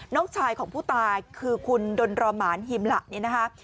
น้องชายของผู้ตายคือคุณดนรอหมานฮิมละเนี่ยนะคะ